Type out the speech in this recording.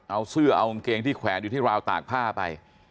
เอาเสื้อเอากางเกงที่แขวนอยู่ที่ราวตากผ้าไป